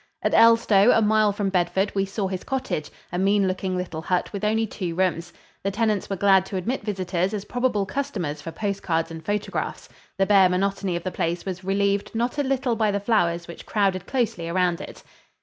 At Elstow, a mile from Bedford, we saw his cottage, a mean looking little hut with only two rooms. The tenants were glad to admit visitors as probable customers for postcards and photographs. The bare monotony of the place was relieved not a little by the flowers which crowded closely around it.